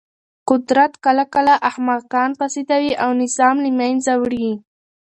قدرت کله کله احمقان فاسدوي او نظام له منځه وړي.